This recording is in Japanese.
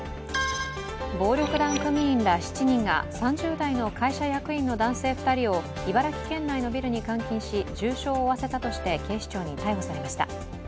暴力団組員ら７人が３０代の会社役員の男性２人を茨城県内のビルに監禁し重傷を負わせたとして警視庁に逮捕されました。